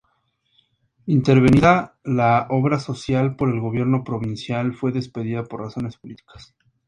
Intervenida la obra social por el gobierno provincial, fue despedida por razones políticas.